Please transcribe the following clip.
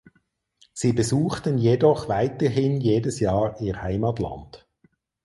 Sie besuchten jedoch weiterhin jedes Jahr ihr Heimatland.